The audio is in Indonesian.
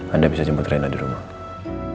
anda bisa jemput rena di rumah